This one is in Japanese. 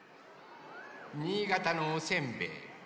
新潟のおせんべい。